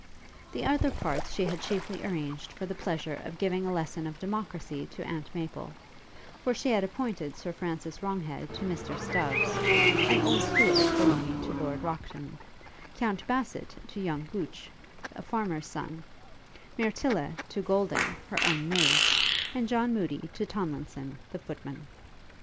The other parts she had chiefly arranged for the pleasure of giving a lesson of democracy to Aunt Maple; for she had appointed Sir Francis Wronghead to Mr Stubbs, an old steward belonging to Lord Rockton; Count Basset to young Gooch, a farmer's son; Myrtylla to Golding, her own maid, and John Moody to Tomlinson, the footman.